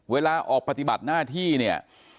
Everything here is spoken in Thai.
เวลาออกปฏิบัติหน้าที่เนี่ย